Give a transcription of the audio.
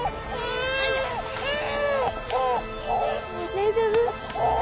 大丈夫？